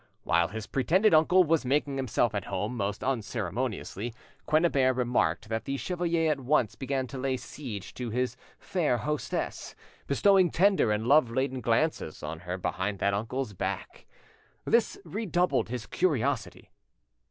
While his pretended uncle was making himself at home most unceremoniously, Quennebert remarked that the chevalier at once began to lay siege to his fair hostess, bestowing tender and love laden glances on her behind that uncle's back. This redoubled his curiosity.